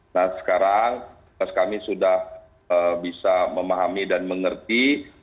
nah sekarang kami sudah bisa memahami dan mengerti